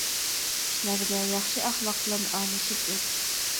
كىشىلەرگە ياخشى ئەخلاق بىلەن ئارىلىشىپ ئۆت.